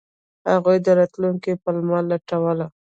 هغوی د راتلونکي پلمه لټوله.